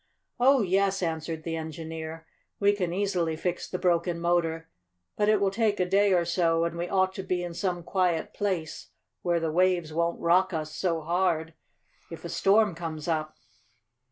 "Oh, yes," answered the engineer. "We can easily fix the broken motor. But it will take a day or so, and we ought to be in some quiet place where the waves won't rock us so hard if a storm comes up.